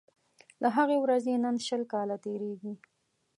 له هغې ورځي نن شل کاله تیریږي